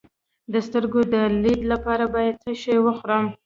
د سترګو د لید لپاره باید څه شی وخورم؟